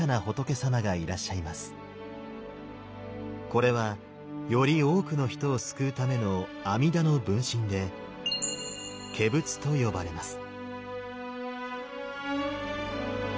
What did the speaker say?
これはより多くの人を救うための阿弥陀の分身で化仏と呼ばれます。